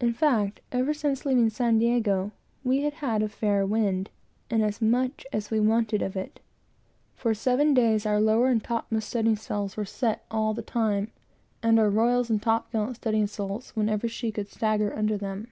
In fact, ever since leaving San Diego, we had had a fair wind, and as much as we wanted of it. For seven days, our lower and topmast studding sails were set all the time, and our royals and top gallant studding sails, whenever she could stagger under them.